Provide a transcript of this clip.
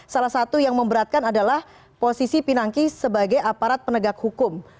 salah satu yang memberatkan adalah posisi pinangki sebagai aparat penegak hukum